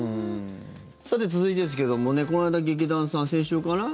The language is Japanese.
さて、続いてですけどもこの間、劇団さん、先週かな？